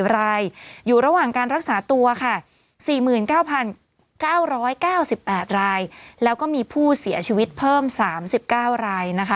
รายอยู่ระหว่างการรักษาตัวค่ะ๔๙๙๙๘รายแล้วก็มีผู้เสียชีวิตเพิ่ม๓๙รายนะคะ